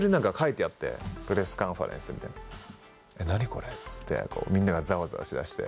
これ」っつってみんながザワザワし出して。